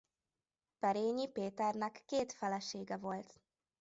Perényi Péternek két felesége volt.